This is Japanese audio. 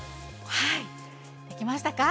はい、できましたか？